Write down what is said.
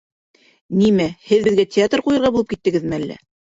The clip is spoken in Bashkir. Нимә, һеҙ беҙгә театр ҡуйырға булып киттегеҙме ул?